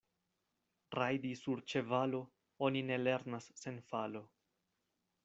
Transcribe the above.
Rajdi sur ĉevalo oni ne lernas sen falo.